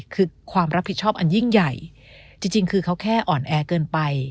คือความรับผิดชอบอันยิ่งใหญ่จริงคือเขาแค่อ่อนแอเกินไป